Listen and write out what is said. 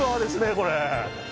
これ。